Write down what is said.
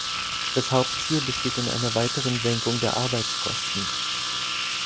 Das Hauptziel besteht in einer weiteren Senkung der Arbeitskosten.